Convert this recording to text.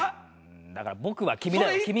だから僕は君だよ。